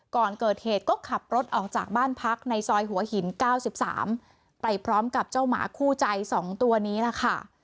ก่อนเกิดเหตุก็ขับรถออกจากบ้านพักในซอยหัวหิน๙๓ไปพร้อมกับเจ้าหมาคู่ใจ๒ตัวนี้แหละค่ะ